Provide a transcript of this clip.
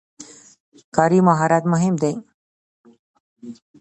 کاري مهارت مهم دی.